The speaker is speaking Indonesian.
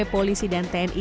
polisi dan tni